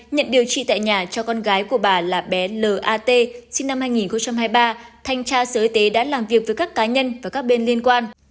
nhận điều trị tại nhà cho con gái của bà là bé lat sinh năm hai nghìn hai mươi ba thanh tra sở y tế đã làm việc với các cá nhân và các bên liên quan